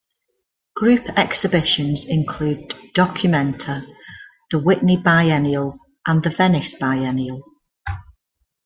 Group exhibitions include Documenta, the Whitney Biennial, and the Venice Biennale.